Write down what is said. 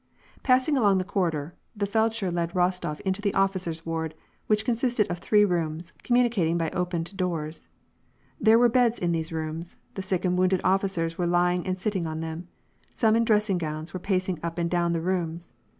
Passing along the corrider, the feldsher led Rostof into the officer's ward, which consisted of three rooms, communicating by opened doors. There were beds in these rooms ; the sick and wounded officers were lying and sitting on them. Some, in dressing gowns, were pacing up and down the rooms.